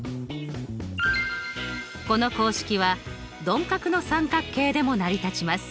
この公式は鈍角の三角形でも成り立ちます。